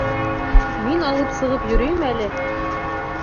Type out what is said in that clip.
Мин алып сығып йөрөйөм әле?